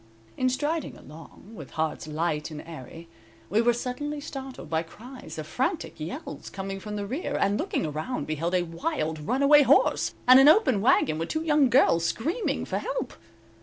In striding along, with hearts light and airy, we were suddenly startled by cries of frantic yells coming from the rear, and looking around beheld a wild, runaway horse, and an open wagon with two young girls screaming for help.